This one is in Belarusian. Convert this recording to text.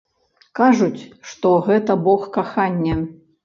Кажуць, што гэта бог кахання.